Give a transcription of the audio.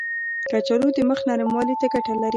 کچالو د مخ نرموالي ته ګټه لري.